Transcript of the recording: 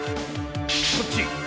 こっち！